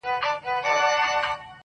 دې مخلوق ته به مي څنګه په زړه کیږم؟-